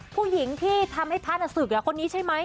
ผู้หญิงที่ทำให้พระน่ะศึกคนนี้ใช่ไหม